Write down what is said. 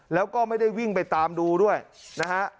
แล้วก็ไม่ได้วิ่งไปตามดูด้วยนะฮะ